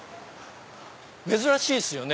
珍しいですよね